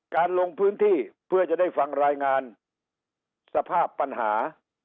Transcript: ลงพื้นที่เพื่อจะได้ฟังรายงานสภาพปัญหา